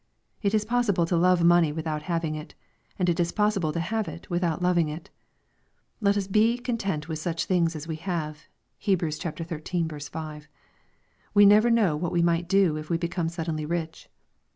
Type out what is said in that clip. It is possible to love money without having it, and it is possible to have it without loving it. Let us be "content with such things as we have.'' (Heb. xiii. 6.) We never know what we might do if we became suddenly rich.